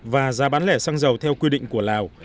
và giá bán lẻ xăng dầu theo quy định của lào